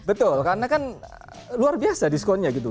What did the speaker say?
betul karena kan luar biasa diskonnya gitu